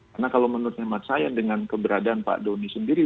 karena kalau menurut hemat saya dengan keberadaan pak doni sendiri